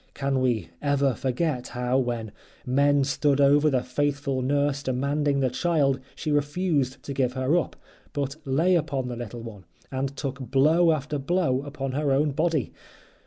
Can we ever forget, how, when men stood over the faithful nurse demanding the child, she refused to give her up, but lay upon the little one, and took blow after blow upon her own body?